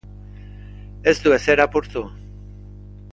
Ez du ezer apurtu.